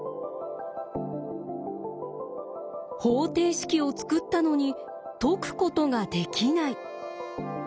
方程式を作ったのに解くことができない。